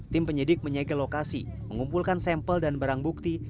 tim penyidik menyegel lokasi mengumpulkan sampel dan barang bukti